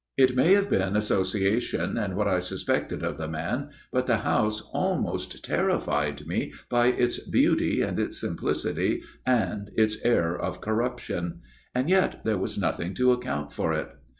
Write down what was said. " It may have been association, and what I suspected of the man, but the house almost terri fied me by its beauty and its simplicity and its air of corruption. And yet there was nothing to account for it.